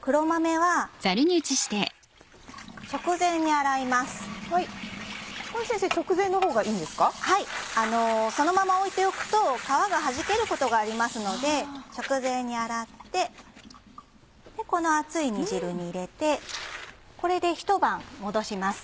はいそのまま置いておくと皮がはじけることがありますので直前に洗ってこの熱い煮汁に入れてこれでひと晩戻します。